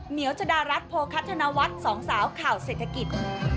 วจดารัฐโภคัทธนวัฒน์สองสาวข่าวเศรษฐกิจ